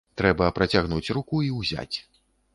Трэба працягнуць руку і ўзяць.